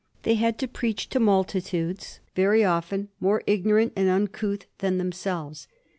They had to preach to multitudes very often more ignorant and uncouth than themselves.